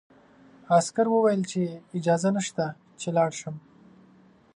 عسکر وویل چې اجازه نشته چې لاړ شم.